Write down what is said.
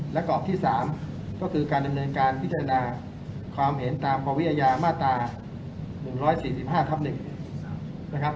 และกรอบที่๓ก็คือการดำเนินการพิจารณาความเห็นตามปวิอาญามาตรา๑๔๕ทับ๑นะครับ